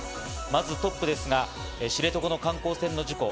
まずトップですが、知床の観光船の事故。